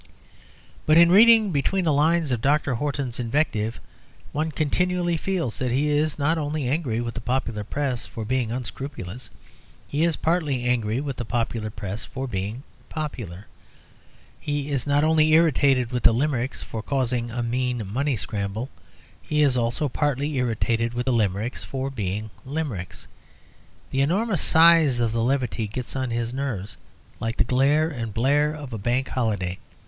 But in reading between the lines of Dr. Horton's invective one continually feels that he is not only angry with the popular Press for being unscrupulous: he is partly angry with the popular Press for being popular. He is not only irritated with Limericks for causing a mean money scramble; he is also partly irritated with Limericks for being Limericks. The enormous size of the levity gets on his nerves, like the glare and blare of Bank Holiday.